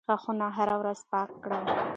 غاښونه هره ورځ پاک کړئ.